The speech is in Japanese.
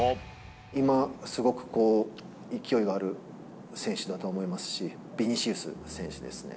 今、すごく勢いがある選手だと思いますし、ビニシウス選手ですね。